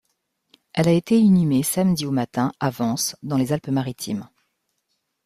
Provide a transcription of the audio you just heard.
Elle a été inhumée samedi au matin à Vence dans les Alpes-Maritimes.